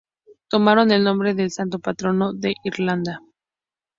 Tomaron el nombre del Santo Patrono de Irlanda.